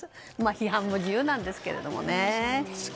批判も自由なんですけどね。